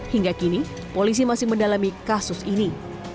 hingga kini polisi masih mendalami kasus ini